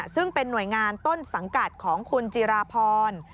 ซึ่งเป็นหน่วยงานต้นสังกัดของคุณจิราพร